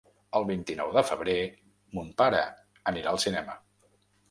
El vint-i-nou de febrer mon pare anirà al cinema.